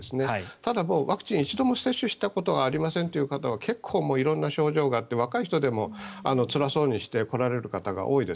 ただ、ワクチン一度も接種したことがありませんという方は結構、色んな症状があって若い人でもつらそうにして来られる方が多いです。